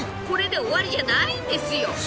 これで終わりじゃないんですよ。